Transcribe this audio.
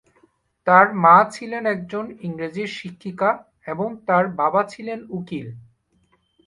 তার মা ছিলেন একজন ইংরেজির শিক্ষিকা এবং তার বাবা ছিলেন উকিল।